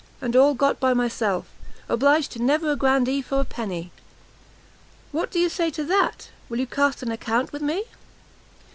and all got by myself; obliged to never a grandee for a penny; what do you say to that? will you cast an account with me?"